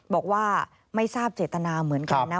บอกว่าไม่ทราบเจตนาเหมือนกันนะ